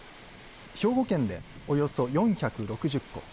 兵庫県でおよそ４６０戸